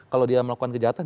kalau dia melakukan kejahatan